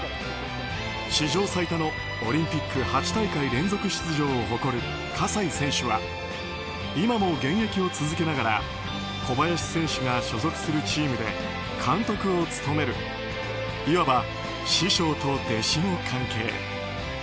史上最多のオリンピック８大会連続出場を誇る葛西選手は今も現役を続けながら小林選手が所属するチームで監督を務めるいわば師匠と弟子の関係。